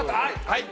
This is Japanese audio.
はい。